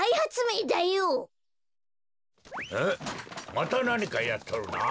またなにかやっとるな。